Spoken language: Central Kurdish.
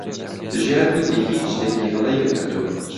ژیار گوتی هیچ شتێکی هەڵەی نەکردووە.